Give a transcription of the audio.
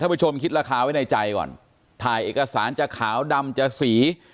ผู้ชมคิดราคาไว้ในใจก่อนถ่ายเอกสารจะขาวดำจะสี